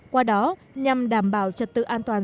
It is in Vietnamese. qua đó nhằm đảm bảo trật tự an toàn